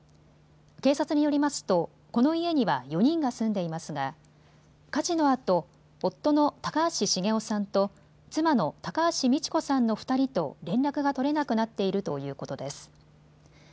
警察によりますと、この家には４人が住んでいますが火事のあと夫の高橋重雄さんと妻の高橋美知子さんの２人と連絡が取れなくなっているということです。